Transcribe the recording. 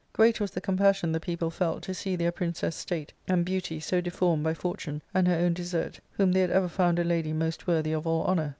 Great was the com passion the people felt to see their princess' atate and beauty so deformed by fortune and her own desert whom they had ever found a lady most worthy of all honour.